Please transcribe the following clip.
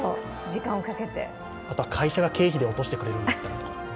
あとは会社が経費で落としてくれるか。